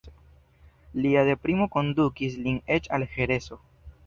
Lia deprimo kondukis lin eĉ al herezo.